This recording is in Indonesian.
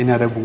ini ada bunga